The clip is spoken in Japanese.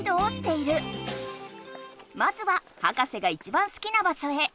まずはハカセがいちばん好きな場所へ。